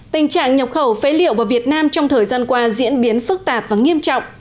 tình trạng nhập khẩu phế liệu vào việt nam trong thời gian qua diễn biến phức tạp và nghiêm trọng